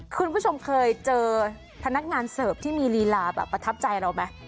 คุณผู้ชมเคยเจอพนักงานเสิร์ฟที่มีลีลาแบบประทับใจเราไหม